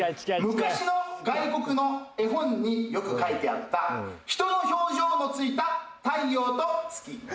「昔の外国の絵本によく描いてあった人の表情のついた太陽と月」